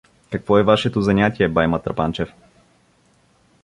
— Какво е вашето занятие, бай Матрапанчев?